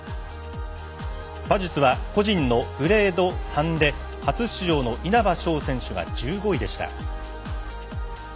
馬術は個人のグレード３で初出場の稲葉将選手が１５位でした。